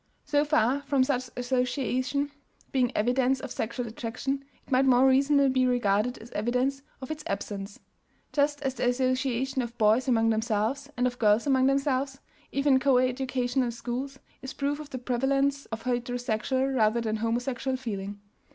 So far from such association being evidence of sexual attraction it might more reasonably be regarded as evidence of its absence; just as the association of boys among themselves, and of girls among themselves, even in co educational schools, is proof of the prevalence of heterosexual rather than of homosexual feeling.